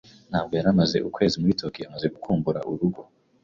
Ntabwo yari amaze ukwezi muri Tokiyo amaze gukumbura urugo.